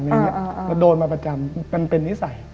เราโดนมาประจำมันเป็นนิสัย